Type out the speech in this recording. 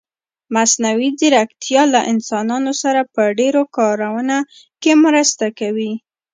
مصنوعي ځيرکتيا له انسانانو سره په ډېرو کارونه کې مرسته کوي.